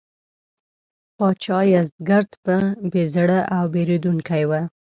پاچا یزدګُرد بې زړه او بېرندوکی و.